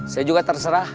saya juga terserah